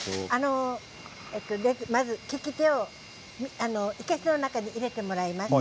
まず利き手を生けすの中に入れてもらいます。